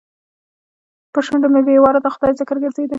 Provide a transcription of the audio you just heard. پر شونډو مې بې واره د خدای ذکر ګرځېده.